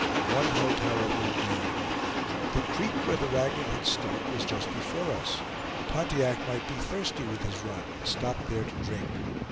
One hope, however, remained. The creek where the wagon had stuck was just before us; Pontiac might be thirsty with his run, and stop there to drink.